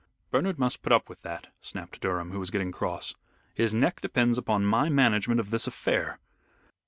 "Bernard must put up with that," snapped Durham, who was getting cross. "His neck depends upon my management of this affair.